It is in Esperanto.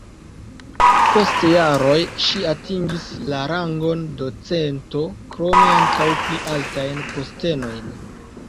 Post jaroj ŝi atingis la rangon docento krome ankaŭ pli altajn postenojn.